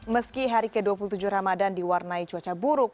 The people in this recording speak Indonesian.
meski hari ke dua puluh tujuh ramadan diwarnai cuaca buruk